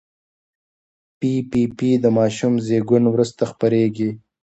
پي پي پي د ماشوم زېږون وروسته خپرېږي.